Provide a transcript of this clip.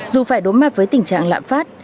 dù phải đối mặt với tình trạng lạm phát